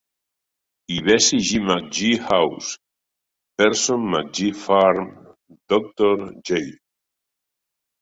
i Bessie G. McGhee House, Person-McGhee Farm, Dr. J.